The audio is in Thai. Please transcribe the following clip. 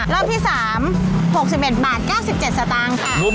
รอบที่๓๖๑บาท๙๗สตางค์ค่ะ